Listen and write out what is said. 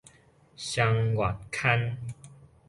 雙月刊